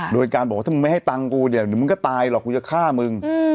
โดยการบอกว่าถ้ามึงไม่ให้ตังค์กูเนี่ยเดี๋ยวมึงก็ตายหรอกกูจะฆ่ามึง